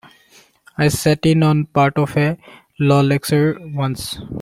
I sat in on part of a law lecture once.